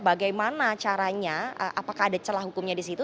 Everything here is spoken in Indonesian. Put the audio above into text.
bagaimana caranya apakah ada celah hukumnya di situ